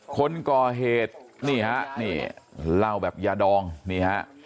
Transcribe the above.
คนก่อเหตุนี่ฮะนี่เหล้าแบบยาดองนี่ฮะ